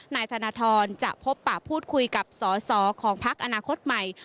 นายธนทรจะพบปะพูดคุยกับสอสอของพักอนาคตใหม่